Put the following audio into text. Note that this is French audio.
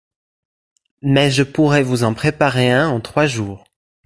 Mais je pourrais vous en préparer un en trois jours.